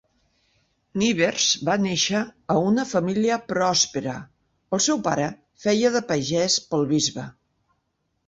Nivers va néixer a una família pròspera: el seu pare feia de pagès pel bisbe.